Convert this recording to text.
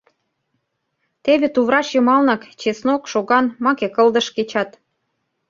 Теве тувраш йымалнак чеснок, шоган, маке кылдыш кечат.